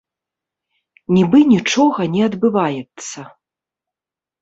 Нібы нічога не адбываецца.